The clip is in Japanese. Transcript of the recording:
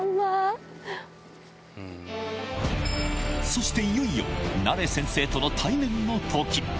そしていよいよ、ナレ先生との対面の時。